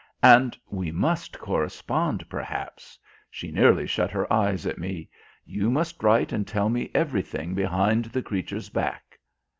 "And we must correspond, perhaps." She nearly shut her eyes at me. "You must write and tell me everything behind the creature's back."